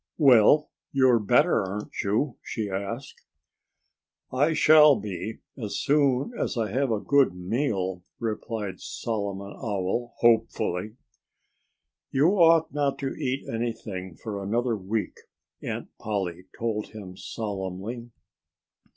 "Well, you're better, aren't you?" she asked him. "I shall be as soon as I have a good meal," replied Solomon Owl, hopefully. "You ought not to eat anything for another week," Aunt Polly told him solemnly.